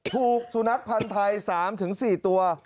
ถูกสุนัขพันธ์ไทย๓๔ตัว